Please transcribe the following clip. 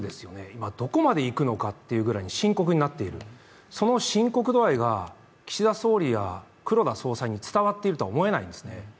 今、どこまでいくのかというぐらい深刻になっている、その深刻度合いが岸田総理や黒田総裁に伝わっているとは思えないんですね。